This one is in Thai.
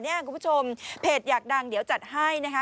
คุณผู้ชมเพจอยากดังเดี๋ยวจัดให้นะคะ